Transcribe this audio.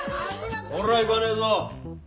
俺は行かねえぞ。